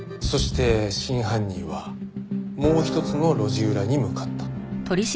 そして真犯人はもう一つの路地裏に向かった。